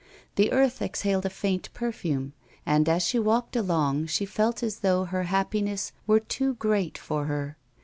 The earth exhaled a faint perfume, and, as she walked along, she felt as thougli her happiness were too great for her.